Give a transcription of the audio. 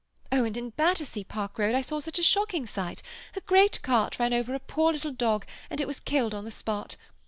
Oh, and in Battersea Park Road I saw such a shocking sight; a great cart ran over a poor little dog, and it was killed on the spot.